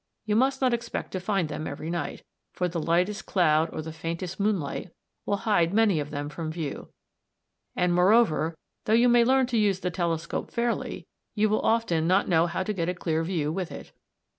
You must not expect to find them every night, for the lightest cloud or the faintest moonlight will hide many of them from view; and, moreover, though you may learn to use the telescope fairly, you will often not know how to get a clear view with it.